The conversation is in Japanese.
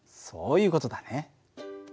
そういう事だね。